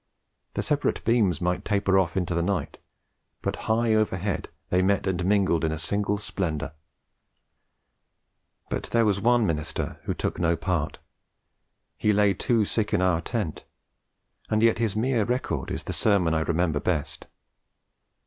The separate beams might taper off into the night, but high overhead they met and mingled in a single splendour. But there was one minister who took no part; he lay too sick in our tent; and yet his mere record is the sermon I remember best.